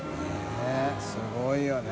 佑すごいよね。